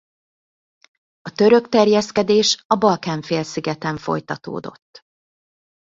A török terjeszkedés a Balkán-félszigeten folytatódott.